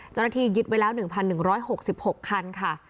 จนทียึดไว้แล้ว๑๑๖๖คันค่ะ